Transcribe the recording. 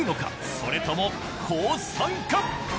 それとも降参か？